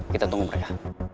kita tunggu mereka